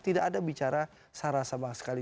tidak ada bicara sara sama sekali